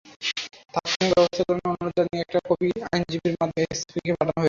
তাৎক্ষণিক ব্যবস্থা গ্রহণের অনুরোধ জানিয়ে একটি কপি আইজিপির মাধ্যমে এসপিকে পাঠানো হয়েছে।